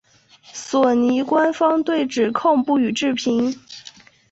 索尼官方对指控不予置评。